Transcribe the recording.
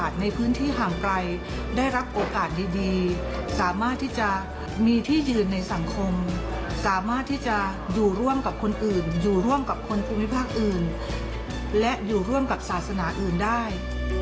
สามารถที่จะอยู่ร่วมกับคนอื่นอยู่ร่วมกับคนภูมิภาคอื่นและอยู่ร่วมกับศาสนาอื่นได้